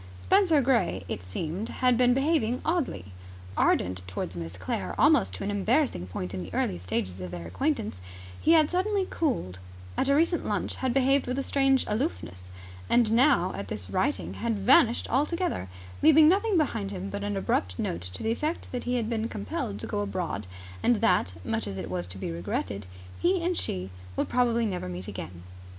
Spenser Gray, it seemed, had been behaving oddly. Ardent towards Miss Sinclair almost to an embarrassing point in the early stages of their acquaintance, he had suddenly cooled; at a recent lunch had behaved with a strange aloofness; and now, at this writing, had vanished altogether, leaving nothing behind him but an abrupt note to the effect that he had been compelled to go abroad and that, much as it was to be regretted, he and she would probably never meet again.